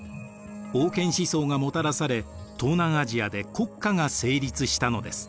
王権思想がもたらされ東南アジアで国家が成立したのです。